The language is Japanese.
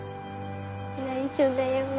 内緒だよ。